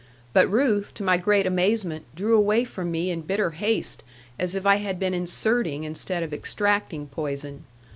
But Ruth, to my great amazement, drew away from me in bitter haste, as if I had been inserting instead of extracting poison.